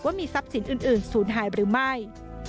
ว่ามีทรัพย์สินอื่นศูนย์หายหรือไม่